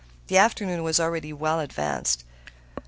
The afternoon was already well advanced.